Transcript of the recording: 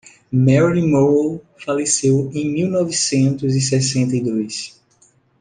Marilyn Monroe faleceu em mil novecentos e sessenta e dois.